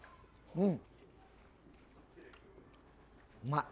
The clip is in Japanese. うん。